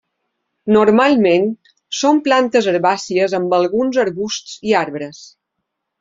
Normalment són plantes herbàcies amb alguns arbusts i arbres.